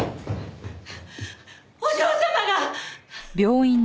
お嬢様が！